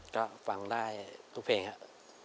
ก็ฟังได้ทุกเพลงครับ